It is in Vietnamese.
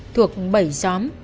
thuộc bảy xóm